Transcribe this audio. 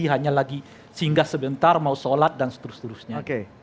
hanya lagi singgah sebentar mau sholat dan seterus terusnya